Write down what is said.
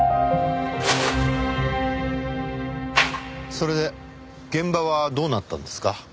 それで現場はどうなったんですか？